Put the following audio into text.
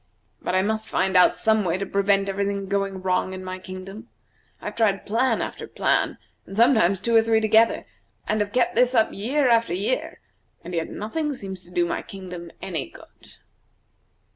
But I must find out some way to prevent every thing going wrong in my kingdom. I have tried plan after plan, and sometimes two or three together, and have kept this up year after year, and yet nothing seems to do my kingdom any good."